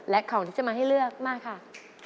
และของที่จะมาให้เลือกมาค่ะ